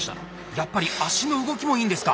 やっぱり足の動きもいいんですか？